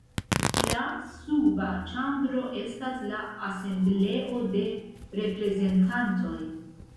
La suba ĉambro estas la Asembleo de Reprezentantoj.